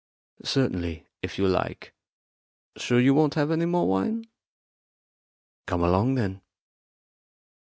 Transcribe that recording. "Certainly, if you like. Sure you won't have any more wine? Come along, then."